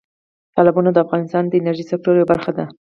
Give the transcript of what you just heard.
تالابونه د افغانستان د انرژۍ سکتور یوه برخه ده.